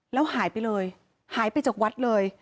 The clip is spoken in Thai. แล้วหายไปเลยหายไปจากวัดเลย